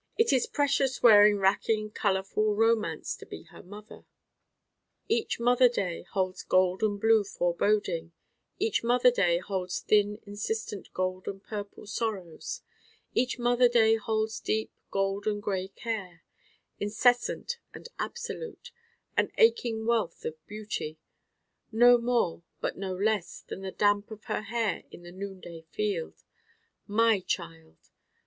it is precious wearing racking colorful romance to be her mother: each mother day holds gold and blue foreboding: each mother day holds thin insistent gold and purple sorrows: each mother day holds deep gold and gray care, incessant and absolute: an aching wealth of beauty: no more but no less than the damp of her hair in the noonday field. My Child!